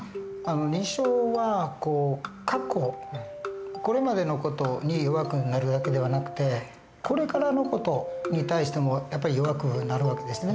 認知症は過去これまでの事に弱くなるだけではなくてこれからの事に対してもやっぱり弱くなる訳ですね。